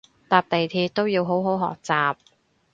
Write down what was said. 搭地鐵都要好好學習